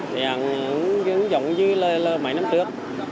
thì hẳn giống như là mấy năm trước